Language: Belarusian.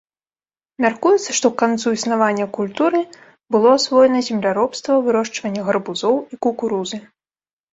Мяркуецца, што к канцу існавання культуры было асвоена земляробства, вырошчванне гарбузоў і кукурузы.